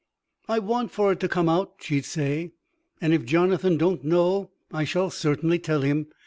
"I want for it to come out," she'd say. "And, if Jonathan don't know, I shall certainly tell him.